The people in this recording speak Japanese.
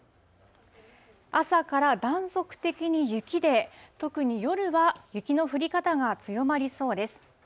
朝から断続的に雪で、特に夜は雪の降り方が強まりそうです。